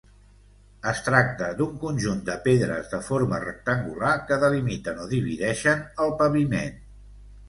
Es tracta d'un conjunt de pedres de forma rectangular que delimiten o divideixen el paviment.